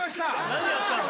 何やったの？